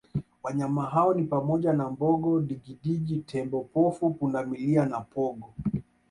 Wanyama hao ni pamoja na Mbogo Digidigi Tembo pofu Pundamilia na pongo